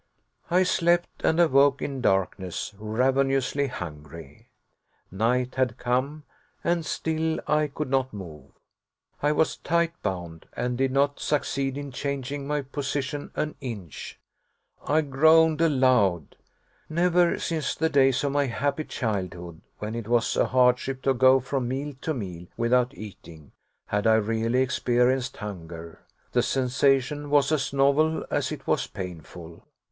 I slept, and awoke in darkness, ravenously hungry. Night had come, and still I could not move. I was tight bound, and did not succeed in changing my position an inch. I groaned aloud. Never since the days of my happy childhood, when it was a hardship to go from meal to meal without eating, had I really experienced hunger. The sensation was as novel as it was painful.